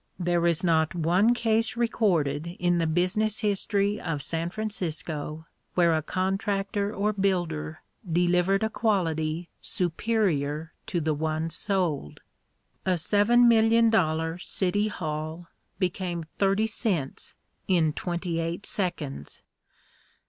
There is not one case recorded in the business history of San Francisco where a contractor or builder delivered a quality superior to the one sold. A seven million dollar city hall became thirty cents in twenty eight seconds.